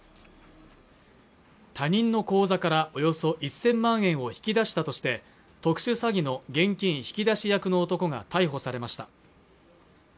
他人の口座からおよそ１０００万円を引き出したとして特殊詐欺の現金引き出し役の男が逮捕されました